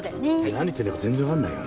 何言ってるんだか全然わかんないよ。